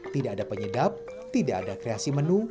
tidak ada penyedap tidak ada kreasi menu